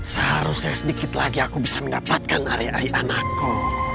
seharusnya sedikit lagi aku bisa mendapatkan area air anakku